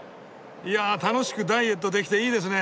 いや楽しくダイエットできていいですね！